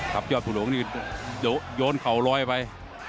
ยอดภูหลวงนี่โยนเข่าลอยไป